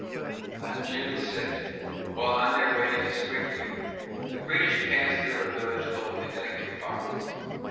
On June 6, while on their way to Springfield, the British passed through a village called Connecticut Farms.